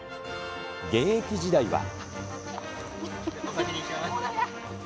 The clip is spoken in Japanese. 現役時代は。